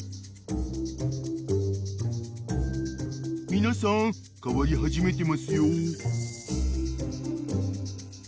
［皆さん変わり始めてますよ］